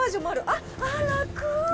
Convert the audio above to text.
あっ、あー、楽。